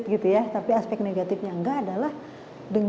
tidak terlalu utuh disney juga terus memberikan